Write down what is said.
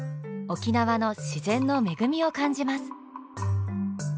沖縄の自然の恵みを感じます。